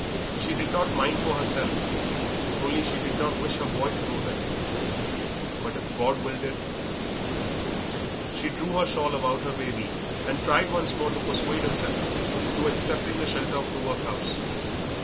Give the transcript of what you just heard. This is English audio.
She did not mind for herself, only she did not wish her boy to go there. But if God willed it...." She drew her shawl about her baby and tried once more to persuade herself into accepting the shelter of the workhouse.